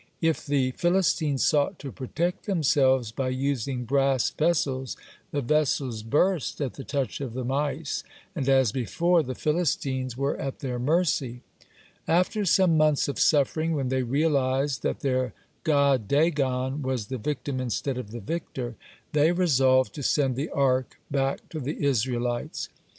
If the Philistines sought to protect themselves by using brass vessels, the vessels burst at the touch of the mice, and, as before, the Philistines were at their mercy. (34) After some months of suffering, when they realized that their god Dagon was the victim instead of the victor, they resolved to send the Ark back to the Israelites.